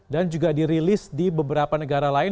dan juga dirilis di beberapa negara lain